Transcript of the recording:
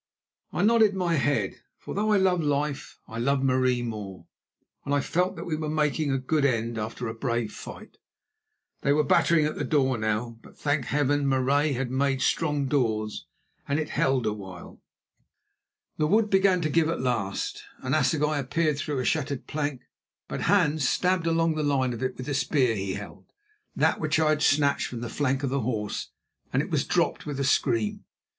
I nodded my head, for though I loved life, I loved Marie more, and I felt that we were making a good end after a brave fight. They were battering at the door now, but, thank Heaven, Marais had made strong doors, and it held a while. The wood began to give at last, an assegai appeared through a shattered plank, but Hans stabbed along the line of it with the spear he held, that which I had snatched from the flank of the horse, and it was dropped with a scream.